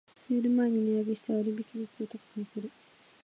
セール前に値上げして割引率を高く見せる